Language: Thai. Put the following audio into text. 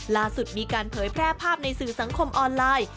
ล่าสุดมีการเผยแพร่ภาพในสื่อสังคมออนไลน์